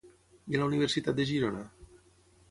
I a la Universitat de Girona?